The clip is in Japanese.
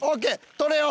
取れよ！